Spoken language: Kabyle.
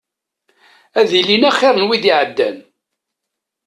Ad ilin axir n wid iɛeddan.